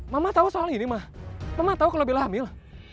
mama tau soal ini ma mama tau kalau bella hamil